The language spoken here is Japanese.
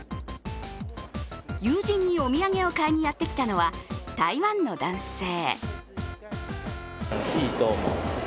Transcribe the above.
友人にお土産を買いにやってきたのは台湾の男性。